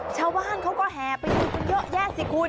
ชาวบ้านเขาก็แห่ไปดูกันเยอะแยะสิคุณ